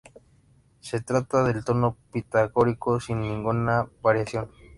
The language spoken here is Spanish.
Se trata del tono pitagórico sin ninguna variación.